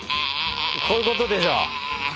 こういうことでしょ？